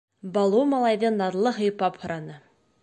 — Балу малайҙы наҙлы һыйпап һораны.